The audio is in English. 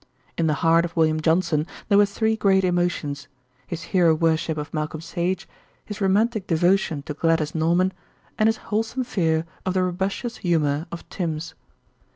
In the heart of William Johnson there were three great emotions: his hero worship of Malcolm Sage, his romantic devotion to Gladys Norman, and his wholesome fear of the robustious humour of Tims.